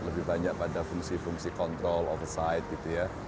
lebih banyak pada fungsi fungsi kontrol oversight gitu ya